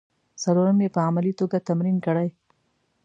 څلورم یې په عملي توګه تمرین کړئ.